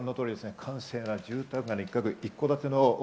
閑静な住宅街の一角。